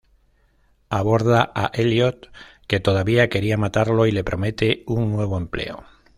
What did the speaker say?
Aborda a Eliot, que todavía quería matarlo, y le promete un nuevo empleo.